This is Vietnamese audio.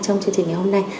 trong chương trình này